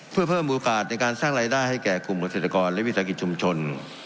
เพื่อเพิ่มโอกาสในการสร้างรายได้ให้แก่กลุ่มเกษตรกรและวิสาหกิจชุมชน